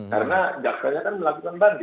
karena jaksanya kan melakukan banding